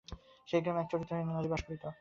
সেই গ্রামে এক চরিত্রহীনা নারী বাস করিত।